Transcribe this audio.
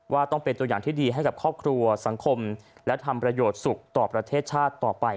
ว่าต้องเป็นตัวอย่างที่ดีให้กับครอบครัวสังคมและทำประโยชน์สุขต่อประเทศชาติต่อไป